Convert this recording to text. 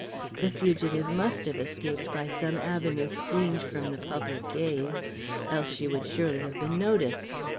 The fugitive must have escaped by some avenue screened from the public gaze, else she would surely have been noticed.